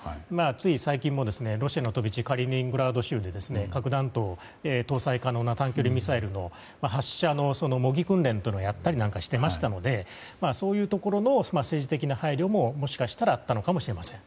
つい最近も、ロシアの飛び地カリーニングラード州でロシアの短距離ミサイルの発射の模擬訓練をやったりなんかしていましたのでそういうところの政治的な配慮ももしかしたらあったのかもしれません。